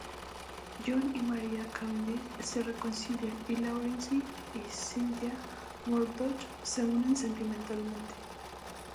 John y Mary Cavendish se reconcilian y Lawrence y Cynthia Murdoch se unen sentimentalmente.